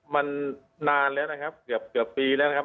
มันนานแล้วนะครับเกือบปีแล้วนะครับ